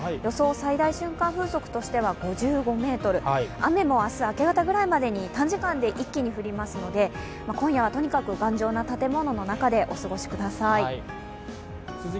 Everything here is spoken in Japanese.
最大瞬間風速としては５５メートル雨も明日明け方ぐらいまでに短時間で一気に降りますので、今夜はとにかく頑丈な建物の中でお過ごしください。